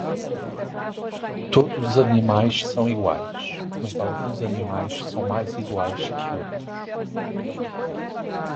Todos os animais são iguais, mas alguns animais são mais iguais que outros.